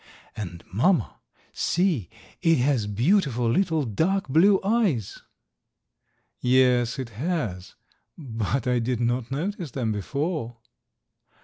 "And, mamma, see! It has beautiful little dark blue eyes." "Yes, it has, but I did not notice them before."